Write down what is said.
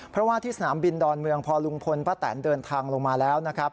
เพราะว่าที่สนามบินดอนเมืองพอลุงพลป้าแตนเดินทางลงมาแล้วนะครับ